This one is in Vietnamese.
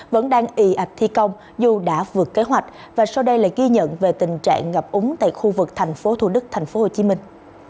vẫn đang y ạch thi công dù đã vượt kế hoạch và sau đây lại ghi nhận về tình trạng ngập úng tại khu vực thành phố thủ đức thành phố hồ chí minh